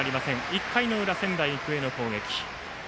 １回の裏、仙台育英の攻撃。